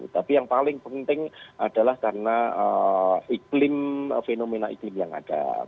tapi yang paling penting adalah karena iklim fenomena iklim yang ada